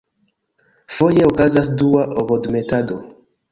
Foje okazas dua ovodemetado.